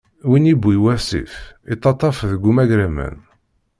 Win yiwwi wasif, ittaṭṭaf deg umagraman.